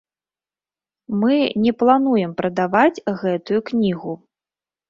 Мы не плануем прадаваць гэтую кнігу.